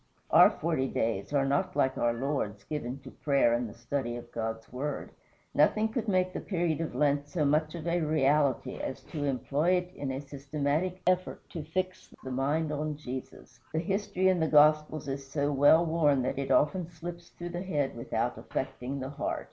Our "forty days" are not like our Lord's, given to prayer and the study of God's Word. Nothing could make the period of Lent so much of a reality as to employ it in a systematic effort to fix the mind on Jesus. The history in the Gospels is so well worn that it often slips through the head without affecting the heart.